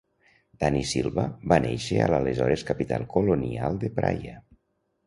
Dany Silva va néixer a l'aleshores capital colonial de Praia.